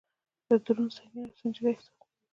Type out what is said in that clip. د ده دروند، سنګین او سنجیده احساس.